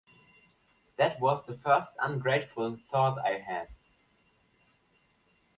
That was the first ungrateful thought I had.